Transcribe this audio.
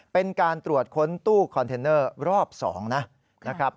เป็นการตรวจค้นตู้คอนเทนเนอร์รอบ๒นะครับ